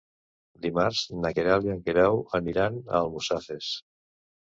Dimarts na Queralt i en Guerau aniran a Almussafes.